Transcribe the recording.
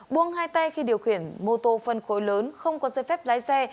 buông hai tay khi điều khiển mô tô phân khối lớn không có dây phép lái xe